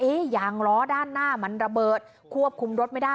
ยางล้อด้านหน้ามันระเบิดควบคุมรถไม่ได้